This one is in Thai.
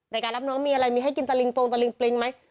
รับน้องมีอะไรมีให้กินตะลิงโปรงตะลิงปริงไหม